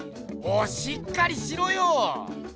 もうしっかりしろよ！